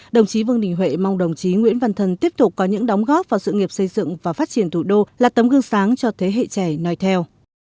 đồng chí vương đình huệ mong đồng chí nguyễn văn thân tiếp tục có những đóng góp vào sự nghiệp xây dựng và phát triển thủ đô là tấm gương sáng cho thế hệ trẻ nói theo